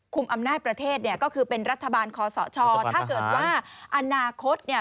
อำนาจประเทศเนี่ยก็คือเป็นรัฐบาลคอสชถ้าเกิดว่าอนาคตเนี่ย